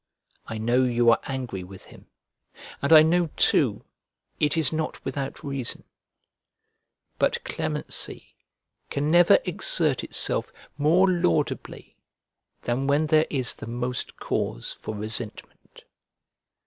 I know you are angry with him, and I know, too, it is not without reason; but clemency can never exert itself more laudably than when there is the most cause for resentment.